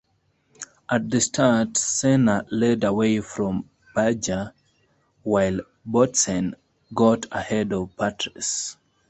At the start, Senna led away from Berger while Boutsen got ahead of Patrese.